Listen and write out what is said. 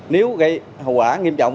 nếu gây hậu quả nghiêm trọng